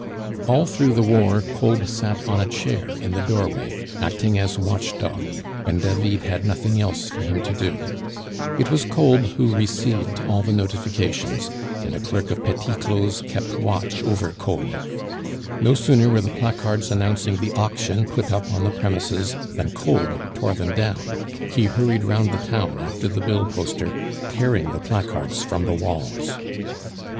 All through the war Kolb sat on a chair in the doorway, acting as watch dog, when David had nothing else for him to do. It was Kolb who received all the notifications, and a clerk of Petit Claud's kept watch over Kolb. No sooner were the placards announcing the auction put up on the premises than Kolb tore them down; he hurried round the town after the bill poster, tearing the placards from the walls.